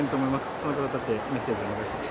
その方々へメッセージ、お願いします。